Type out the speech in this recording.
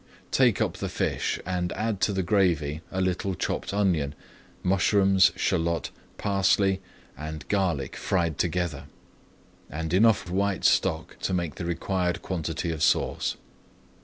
Take up the fish and add to the gravy a little chopped onion, mushrooms, shallot, parsley, and garlic fried together, and [Page 220] enough white stock to make the required quantity of sauce.